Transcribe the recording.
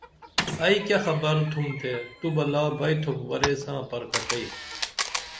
ائی کیہ خبر تُھم تو بہ لا بئتُھوپ ورے ساں پرکٹئ